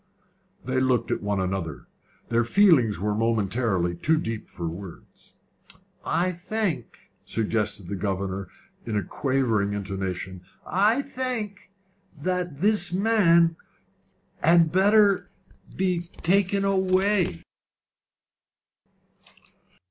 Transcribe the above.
They looked at one another. Their feelings were momentarily too deep for words. "I think," suggested the governor, with quavering intonation, "I think that this man had better be taken away."